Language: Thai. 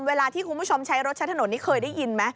เวลาที่คุณผู้ชมใช้รถใช้ถนนนี้เคยได้ยินไหม